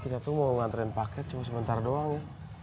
kita tuh mau nganterin paket cuma sebentar doang ya